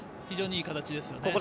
非常にいい形ですよね。